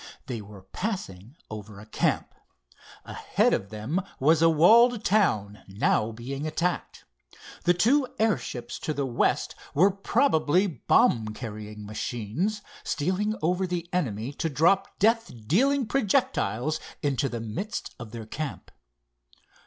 They were passing over a camp. Ahead of them was a walled town, now being attacked. The two airships to the west were probably bomb carrying machines, stealing over the enemy to drop death dealing projectiles into the midst of their camp.